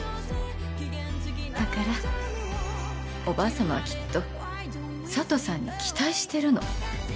だからおばあさまはきっと佐都さんに期待してるの。